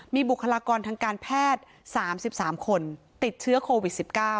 มีบุคลากรทางการแพทย์๓๓คนติดเชื้อโควิด๑๙